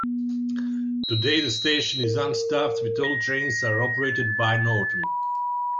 Today the station is unstaffed with all trains are operated by Northern.